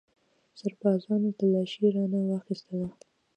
سربازانو تلاشي رانه واخیستله.